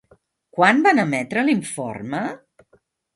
Quan van emetre l'informe?